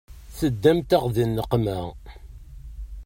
Teddamt-aɣ di nneqma.